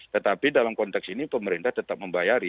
tetapi dalam konteks ini pemerintah tetap membayari